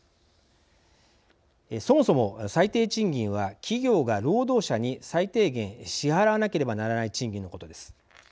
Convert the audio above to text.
そもそも最低賃金は企業が労働者に最低限支払わなければならない賃金のことです。